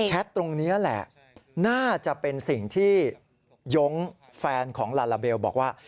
ตรงนี้แหละน่าจะเป็นสิ่งที่ยงแฟนของลาลาเบลบอกว่า